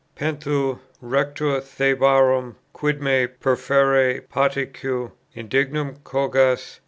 "Pentheu, Rector Thebarum, quid me perferre patique Indignum cogas?"